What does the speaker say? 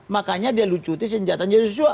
makanya dia lucuti senjata joshua